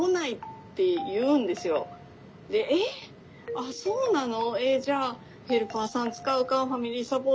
あっそうなの？